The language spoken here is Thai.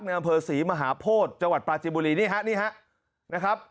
อำเภอศรีมหาโพธิจังหวัดปราจิบุรีนี่ฮะนี่ฮะนะครับ